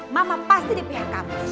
mama pasti di pihak kampus